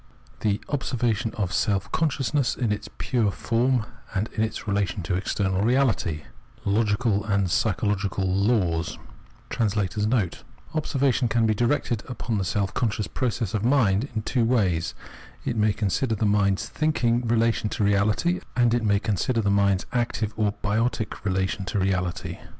h Observation of Selp Consciousness in its pure FORM AND IN ITS RELATION TO EXTERNAL EeALITY — Logical and Psychological Laws [Observation can be directed upon the self conscious process ot mind in two waj'S : it may consider tbe mind's thinking relation to reality, and it may consider the mind's active or biotic relation to reality.